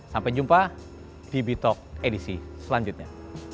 sampai jumpa di bitalkedisi selanjutnya